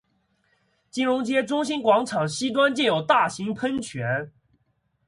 金融街中心广场西端建有大型喷泉。